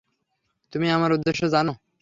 তুমি আমার উদ্দেশ্য জানো!